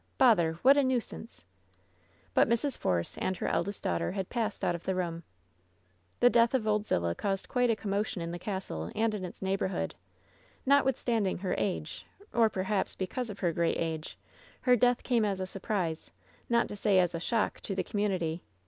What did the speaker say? bother 1 what a nuisance 1" But Mrs. Porce and her eldest daughter had passed out of the room. The death of Old Zillah caused quite a commotion in «94 LOVE'S BITTEREST CUP the castle and its neighborhood. Notwithstanding her a^, or, perhaps, because of her great age, her death came as a surprise, not to say as a shock, to the com munity.